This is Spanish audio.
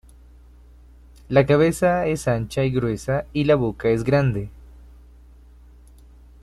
La cabeza es ancha y gruesa y la boca es grande.